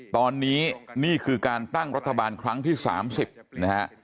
ตอนนี้นี่คือการตั้งรัฐบาลครั้งที่๓๐นะฮะ